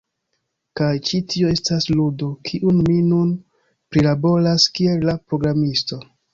Kaj ĉi tio estas ludo, kiun mi nun prilaboras kiel la programisto.